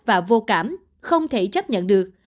và vô cảm không thể chấp nhận được